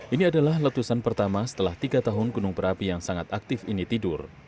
ini adalah letusan pertama setelah tiga tahun gunung berapi yang sangat aktif ini tidur